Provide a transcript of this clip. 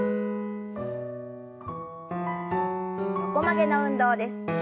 横曲げの運動です。